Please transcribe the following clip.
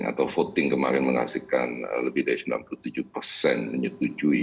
atau voting kemarin menghasilkan lebih dari sembilan puluh tujuh persen menyetujui